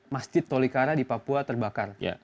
masjid tolikara di papua terbakar